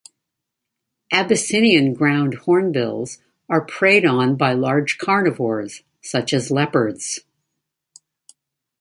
Abyssinian ground hornbills are preyed on by large carnivores, such as leopards.